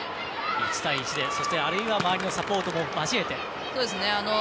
１対１であるいは周りのサポートも交えて。